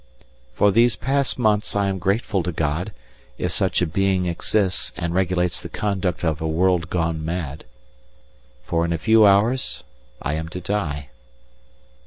For these past months I am grateful to God, if such a being exists and regulates the conduct of a world gone mad. For in a few hours I am to die.